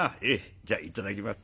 じゃあいただきます」。